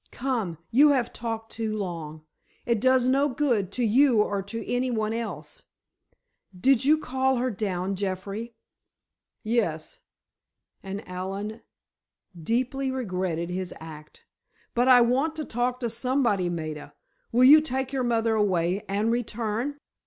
"Come, you have talked too long. It does no good, to you or to any one else. Did you call her down, Jeffrey?" "Yes," and Allen deeply regretted his act. "But I want to talk to somebody, Maida. Will you take your mother away—and return?"